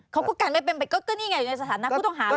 เขาก็กันเป็นก็นี่ไงอยู่ในสถานกุธงษ์หาวิทยาลัย